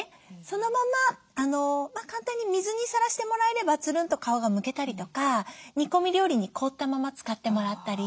そのまま簡単に水にさらしてもらえればツルンと皮がむけたりとか煮込み料理に凍ったまま使ってもらったり。